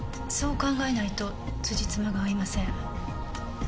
そう考えないとつじつまが合いません。